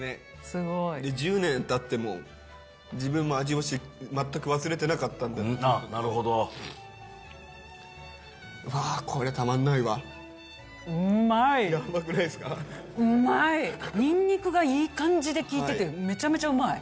すごいで１０年たっても自分も味を全く忘れてなかったんでなるほどわあこりゃたまんないわうまいやばくないですかうまいにんにくがいい感じできいててめちゃめちゃうまい